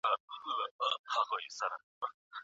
نړیوال تعامل د علمي پرمختګ لپاره ګټور دی.